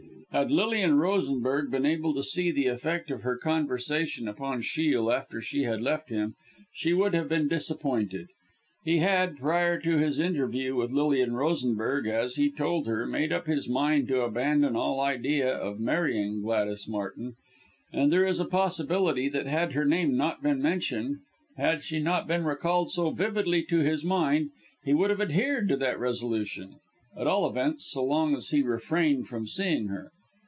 Had Lilian Rosenberg been able to see the effect of her conversation upon Shiel after she had left him, she would have been disappointed. He had, prior to this interview with Lilian Rosenberg, as he told her, made up his mind to abandon all idea of marrying Gladys Martin; and there is a possibility that had her name not been mentioned, had she not been recalled so vividly to his mind, he would have adhered to that resolution at all events so long as he refrained from seeing her.